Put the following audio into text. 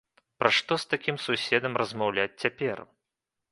Пра што з такім суседам размаўляць цяпер?